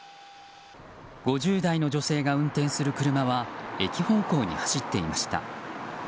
５０代の女性が運転する車は駅方向に走っていました。